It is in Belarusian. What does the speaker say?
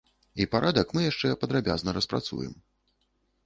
І парадак мы яшчэ падрабязна распрацуем.